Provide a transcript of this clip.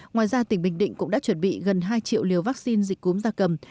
ngoài ra tỉnh bình định cũng đã chuẩn bị gần hai triệu liều vaccine dịch cúm gia cầm